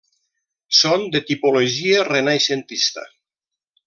Són de tipologia renaixentista.